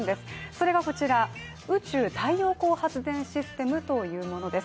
それがこちら、宇宙太陽光発電システムというものです。